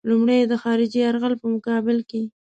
لومړی یې د خارجي یرغل په مقابل کې.